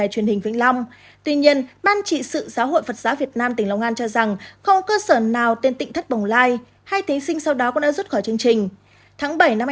tuy nhiên ban trị sự giáo hội phật giáo việt nam tỉnh long an cho rằng không có cơ sở nào tên tỉnh thất bồng lai hai thí sinh sau đó cũng đã rút khỏi chương trình